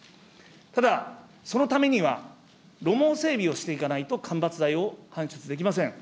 ただ、そのためには、路網整備をしていかないと、間伐材を搬出できません。